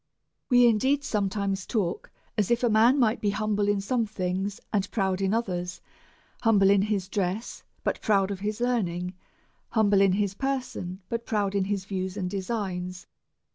We indeed sometimes talk as if a man might be humble in some things, and proud in others, humble in his dress, but proud of his learning, humble in his person, but proud in his views and designs.